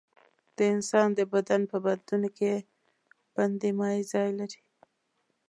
د انسان د بدن په بندونو کې بندي مایع ځای لري.